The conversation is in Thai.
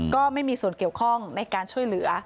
ก็ไม่มีส่วนเกี่ยวข้องในการช่วยเหลือ